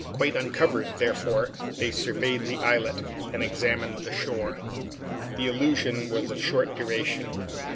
Quite uncovered, therefore, they surveyed the islet, and examined the shore. Their illusion was of short duration.